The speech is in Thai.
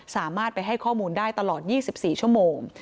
สามารถไปให้ข้อมูลได้ตลอด๒๔ชั่วโมง